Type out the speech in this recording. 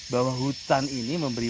bahwa hutan ini memberi